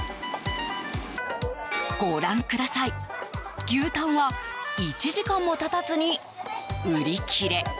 ご覧ください、牛タンは１時間も経たずに売り切れ。